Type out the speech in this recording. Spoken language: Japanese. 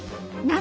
何？